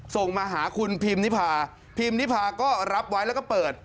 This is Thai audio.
ส่งมาหาคุณพิมนิพาพิมพ์นิพาก็รับไว้แล้วก็เปิด